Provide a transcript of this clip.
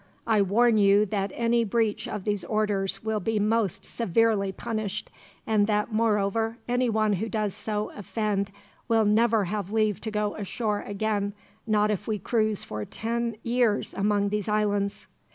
I warn you that any breach of these orders will be most severely punished; and that, moreover, anyone who does so offend will never have leave to go ashore again, not if we cruise for ten years among these islands."